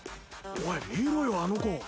おい見ろよあの子。